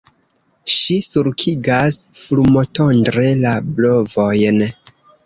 Ŝi sulkigas fulmotondre la brovojn.